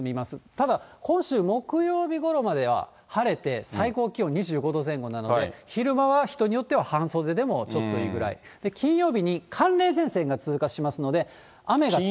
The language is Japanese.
ただ、今週木曜日ごろまでは晴れて、最高気温２５度前後なので、昼間は人によっては半袖でもちょっといいぐらい、金曜日に寒冷前線が通過しますので、雨が強まる。